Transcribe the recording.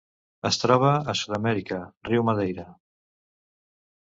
Es troba a Sud-amèrica: riu Madeira.